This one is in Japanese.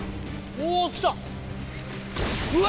おお来たうわ